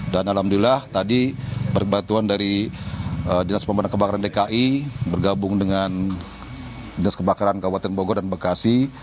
dan alhamdulillah tadi berkebatuan dari dinas pemadaman kebakaran dki bergabung dengan dinas kebakaran kabupaten bogor dan bekasi